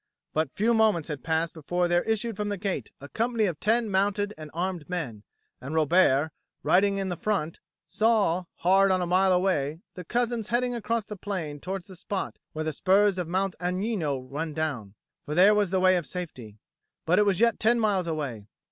But few moments had passed before there issued from the gate a company of ten mounted and armed men, and Robert, riding in their front, saw, hard on a mile away, the cousins heading across the plain towards the spot where the spurs of Mount Agnino run down; for there was the way of safety. But it was yet ten miles away.